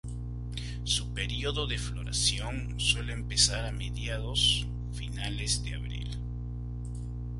Su periodo de floración suele empezar a mediados-finales de abril.